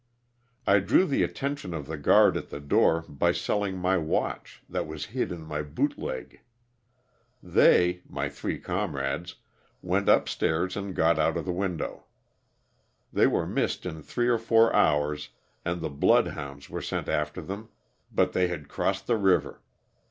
I drew the attention of the guard at the door by selling my watch that was hid in my boot leg. They (my three com rades) went up stairs and got out of the window. They were missed in three or four hours and the blood hounds were sent after them, but they had crossed the river.